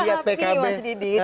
atau dilihat pkb